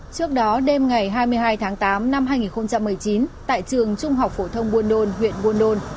trước đó đêm ngày hai mươi hai tháng tám năm hai nghìn một mươi chín tại trường trung học phổ thông buôn đôn huyện buôn đôn